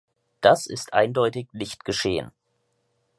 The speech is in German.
Das ist eindeutig nicht geschehen.